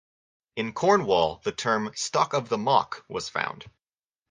In Cornwall, the term "Stock of the Mock" was found.